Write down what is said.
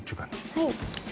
はい。